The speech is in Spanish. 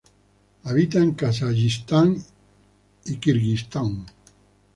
Habita en Kazajistán y Kirguistán.